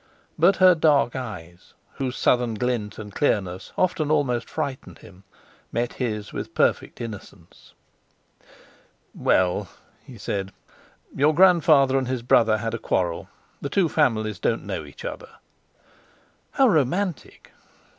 But her dark eyes, whose southern glint and clearness often almost frightened him, met his with perfect innocence. "Well," he said, "your grandfather and his brother had a quarrel. The two families don't know each other." "How romantic!"